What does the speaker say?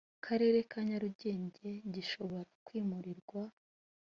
karere ka nyarugenge gishobora kwimurirwa